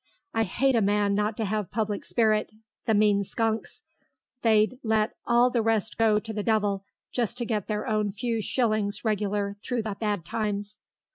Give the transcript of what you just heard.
"I hate a man not to have public spirit. The mean skunks. They'd let all the rest go to the devil just to get their own few shillings regular through the bad times."